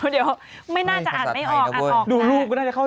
เดี๋ยวไม่น่าจะอาจไม่ออกอันออกมา